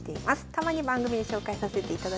たまに番組で紹介させていただきます。